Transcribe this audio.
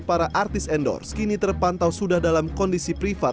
para artis endorse kini terpantau sudah dalam kondisi privat